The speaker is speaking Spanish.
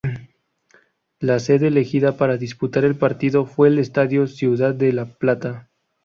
La sede elegida para disputar el partido fue el Estadio Ciudad de La Plata.